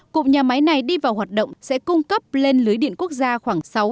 cụm nhà máy này đi vào hoạt động sẽ cung cấp lên lưới điện quốc gia khoảng sáu mươi